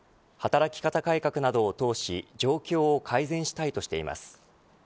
働き方改革などを通し状況を改善したいとしています。